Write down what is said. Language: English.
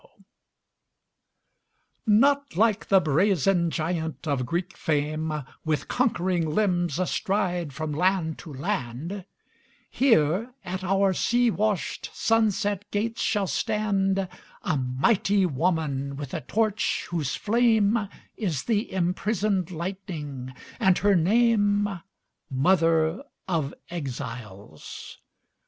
* Not like the brazen giant of Greek fame, With conquering limbs astride from land to land; Here at our sea washed, sunset gates shall stand A mighty woman with a torch, whose flame Is the imprisoned lightning, and her name Mother of Exiles.